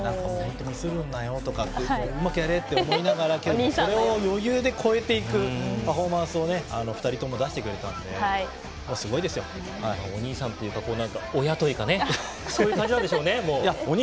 ミスるなよとかうまくやれと思いながらそれを余裕で超えていくパフォーマンスを２人とも出してくれたんでお兄さんというか親というかそういう感じなんでしょうね。